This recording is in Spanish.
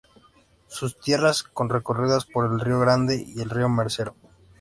Sus tierras son recorridas por el río Grande y el río Mercero.